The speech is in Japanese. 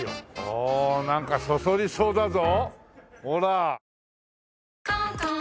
おおなんかそそりそうだぞ。